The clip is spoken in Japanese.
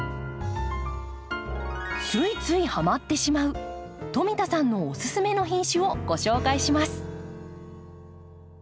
ついついハマってしまう富田さんのおすすめの品種をご紹介します。